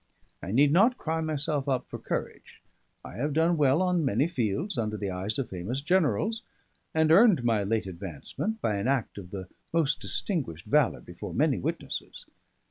I need not cry myself up for courage; I have done well on many fields under the eyes of famous generals, and earned my late advancement by an act of the most distinguished valour before many witnesses.